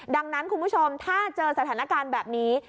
ดังนั้นคุณผู้ชมถ้าเจอสถานการณ์แบบนี้